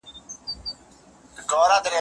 زه پوروړی یم د هغو خوږو